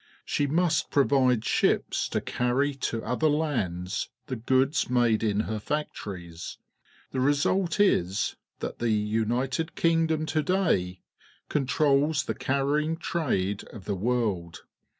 She must provide ships to carry to other lands the goods made in her factories. The result is that the United Kingdom to day controls the carrying trade of the world.